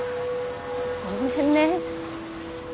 ごめんね。